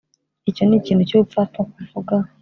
icyo ni ikintu cyubupfapfa kuvuga